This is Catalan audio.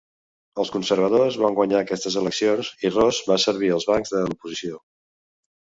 Els conservadors van guanyar aquestes eleccions i Ross va servir als bancs de l'oposició.